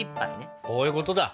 こういうことだ。